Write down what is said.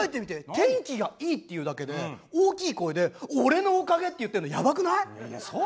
天気がいいっていうだけで大きい声で「俺のおかげ」って言ってんのやばくない！？いやそう？